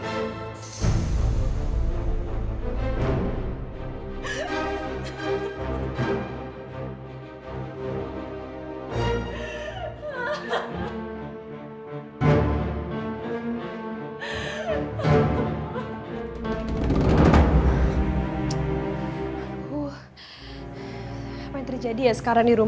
tapi bahkan juga kamu berdua